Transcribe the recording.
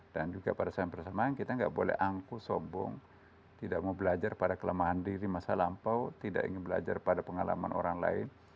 dan juga pada saat bersamaan kita tidak boleh angkuh sobong tidak mau belajar pada kelemahan diri masa lampau tidak ingin belajar pada pengalaman orang lain